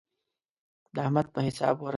د احمد په حساب ورسم.